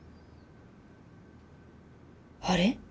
あれ？